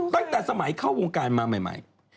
ตั้งแต่สมัยเข้าวงการมาใหม่